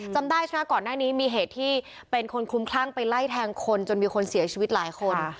จำได้ใช่ไหมก่อนหน้านี้มีเหตุที่เป็นคนคลุมคลั่งไปไล่แทงคนจนมีคนเสียชีวิตหลายคน